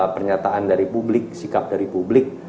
pernyataan dari publik sikap dari publik